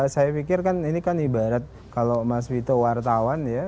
saya pikirkan ini kan ibarat kalau mas wito wartawan ya